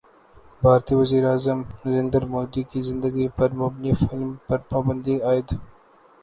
بھارتی وزیراعظم نریندر مودی کی زندگی پر مبنی فلم پر پابندی عائد